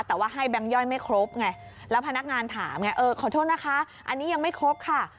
แต่ว่าให้แบงค์ย่อยไม่ครบไงแล้วพนักงานถามไงเออขอโทษนะคะอันนี้ยังไม่ครบค่ะ